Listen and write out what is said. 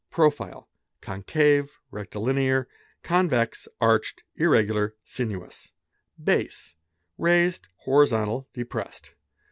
b Profile: concave, rectilinear, convex, arched, irregular, i | sinuous. Base: raised, horizontal, depressed.